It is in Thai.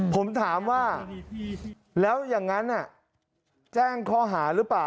ผมถามว่าแล้วอย่างนั้นแจ้งข้อหาหรือเปล่า